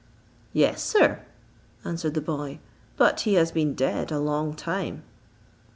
"Yes, sir," answered the boy; "but he has been dead a long time."